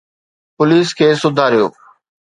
Police کي سڌاريو.